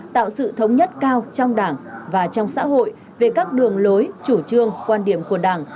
tạo sự thống nhất cao trong đảng và trong xã hội về các đường lối chủ trương quan điểm của đảng